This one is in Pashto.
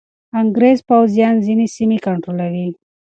انګریز پوځیان ځینې سیمې کنټرولوي.